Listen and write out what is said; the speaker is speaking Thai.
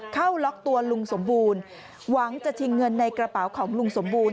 เข้าล็อกตัวลุงสมบูรณ์หวังจะชิงเงินในกระเป๋าของลุงสมบูรณ